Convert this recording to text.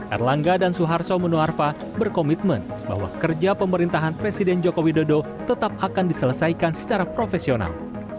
erlangga dan suharto monoarfa berkomitmen bahwa kerja pemerintahan presiden joko widodo tetap akan diselesaikan secara profesional